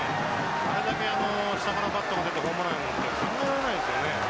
あれだけ下からバットが出てホームランって、考えられないですよね。